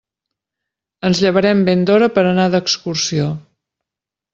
Ens llevarem ben d'hora per anar d'excursió.